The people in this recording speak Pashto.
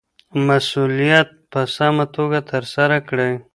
مسووليت په سمه توګه ترسره کړئ